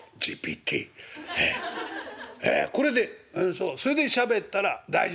「そうそれでしゃべったら大丈夫。